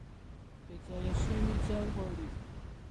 بیځایه شوي ځای غواړي